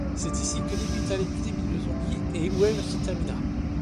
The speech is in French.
C'est ici que débuta l'épidémie de zombie et où elle se termina.